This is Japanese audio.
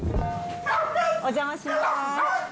お邪魔します。